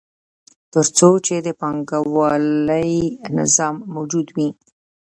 تر څو چې د پانګوالي نظام موجود وي